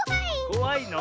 こわいの？